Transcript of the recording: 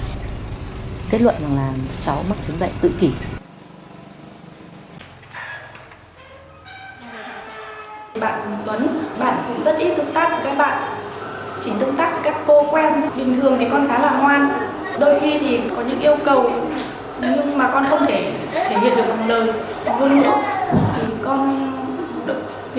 bạn cũng rất ít tương tác với các bạn chỉ tương tác với các cô quen bình thường thì con khá là ngoan đôi khi thì có những yêu cầu mà con không thể thể hiện được một lần